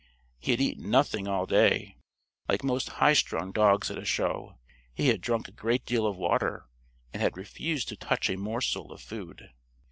He had eaten nothing all day. Like most high strung dogs at a show, he had drunk a great deal of water and had refused to touch a morsel of food.